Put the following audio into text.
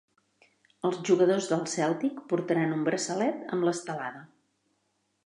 Els jugadors del cèltic portaran un braçalet amb l'estelada